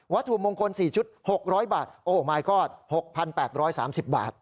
วัตถุมงคล๔ชุด๖๐๐บาทโอ้มายก็อด๖๘๓๐บาท